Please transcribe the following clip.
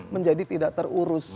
menjadi tidak terurus